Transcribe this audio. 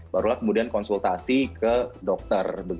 barulah kemudian konsultasi ke dokter